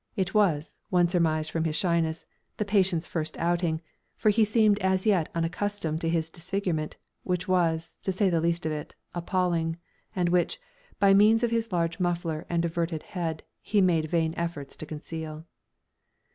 It was, one surmised from his shyness, the patient's first outing, for he seemed as yet unaccustomed to his disfigurement, which was, to say the least of it, appalling, and which, by means of his large muffler and averted head, he made vain efforts to conceal.